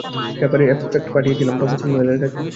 পেপারের অ্যাবস্ট্রাক্ট পাঠিয়েছিলাম প্রফেসর নোয়েলের কাছে।